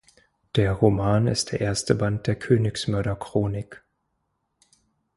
Der Roman ist der erste Band der "Königsmörder-Chronik".